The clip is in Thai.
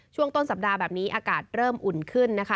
ช่วงต้นสัปดาห์แบบนี้อากาศเริ่มอุ่นขึ้นนะคะ